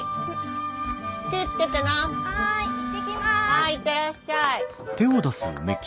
はい行ってらっしゃい。